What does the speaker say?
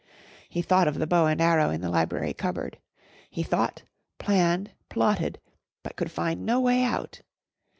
He thought of the bow and arrow in the library cupboard; he thought, planned, plotted, but could find no way out.